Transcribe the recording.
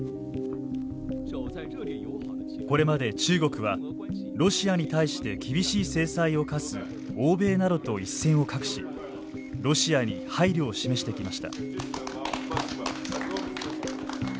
これまで中国はロシアに対して厳しい制裁を科す欧米などと一線を画しロシアに配慮を示してきました。